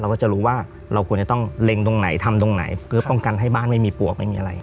ก็จะรู้ว่าเราควรจะต้องเล็งตรงไหนทำตรงไหนเพื่อป้องกันให้บ้านไม่มีปวกไม่มีอะไร